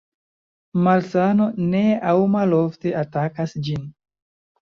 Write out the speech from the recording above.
Malsano ne aŭ malofte atakas ĝin.